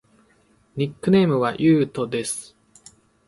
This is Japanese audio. ニックネームはゆうとです。